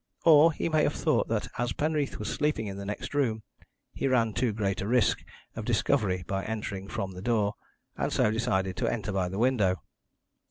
Or he may have thought that as Penreath was sleeping in the next room, he ran too great a risk of discovery by entering from the door, and so decided to enter by the window.